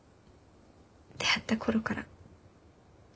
出会った頃から。